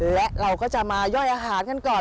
และเราก็จะมาย่อยอาหารกันก่อน